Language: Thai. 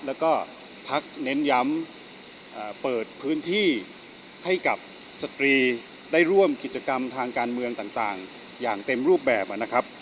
แล้วก็พักเน้นย้ำเปิดพื้นที่ให้กับสตรีได้ร่วมกิจกรรมทางการเมืองต่างอย่างเต็มรูปแบบนะครับ